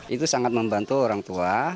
itu sangat membantu orang tua